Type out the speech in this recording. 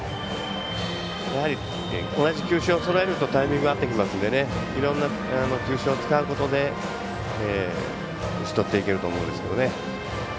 やはり同じ球種をそろえるとタイミングが合ってきますのでいろんな球種を使うことで打ちとっていけると思うんですけどね。